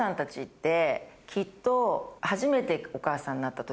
きっと。